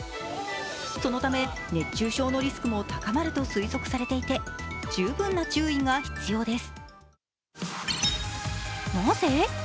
そのため、熱中症のリスクも高まると推測されていて十分な注意が必要です。